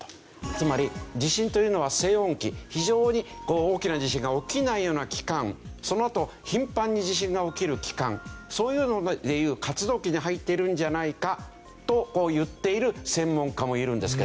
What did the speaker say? つまり地震というのは静穏期非常に大きな地震が起きないような期間そのあと頻繁に地震が起きる期間そういうのでいう活動期に入っているんじゃないかと言っている専門家もいるんですけど。